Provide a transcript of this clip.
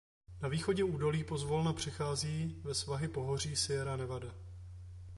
Na východě údolí pozvolna přechází ve svahy pohoří Sierra Nevada.